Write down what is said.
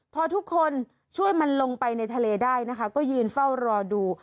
พอทุกคนช่วยมันลงไปในทะเลได้นะคะก็ยืนเฝ้ารอดู